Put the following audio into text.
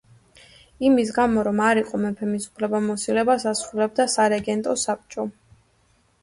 იმის გამო, რომ არ იყო მეფე მის უფლებამოსილებას ასრულებდა სარეგენტო საბჭო.